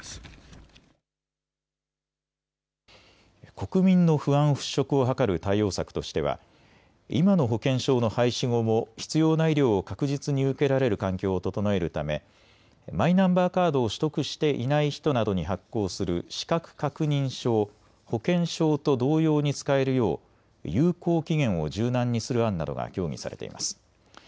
国民の不安払拭を図る対応策としては今の保険証の廃止後も必要な医療を確実に受けられる環境を整えるためマイナンバーカードを取得していない人などに発行する資格確認書を保険証と同様に使えるよう有効期限を柔軟にする案などが協議されています。